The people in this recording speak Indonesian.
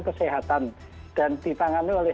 kesehatan dan ditangani oleh